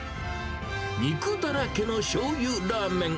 肉だらけのしょうゆラーメン。